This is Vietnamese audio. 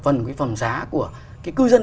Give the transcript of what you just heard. phần cái phần giá của cái cư dân